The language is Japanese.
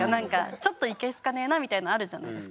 ちょっといけ好かねえなみたいのあるじゃないですか。